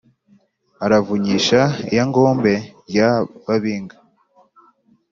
aravunyisha lyangombe rya babinga